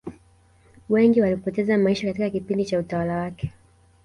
wengi walipoteza maisha katika kipindi cha utawala wake